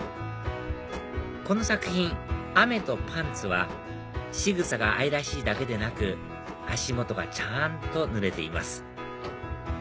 この作品『あめとパンツ』はしぐさが愛らしいだけでなく足元がちゃんとぬれています